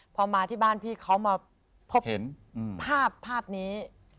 พอมาที่บ้านพี่เขามาพบเห็นภาพภาพนี้